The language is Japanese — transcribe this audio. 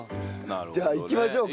じゃあ行きましょうか。